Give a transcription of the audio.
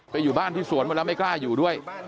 อยู่บ้านที่สวนหมดแล้วไม่กล้าอยู่ด้วย